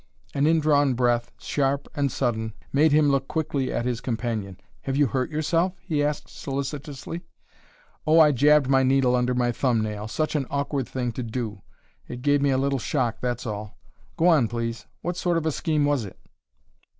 An indrawn breath, sharp and sudden, made him look quickly at his companion. "Have you hurt yourself?" he asked solicitously. "Oh, I jabbed my needle under my thumb nail. Such an awkward thing to do! It gave me a little shock, that's all. Go on, please. What sort of a scheme was it?"